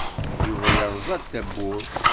Yuba yerẓa-d tawwurt.